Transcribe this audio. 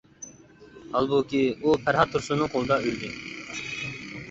ھالبۇكى ئۇ پەرھات تۇرسۇننىڭ قولىدا ئۆلدى.